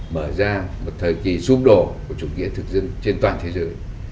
mở ra một thời kỳ xung đột của chủ nghĩa thực dân trên toàn thế giới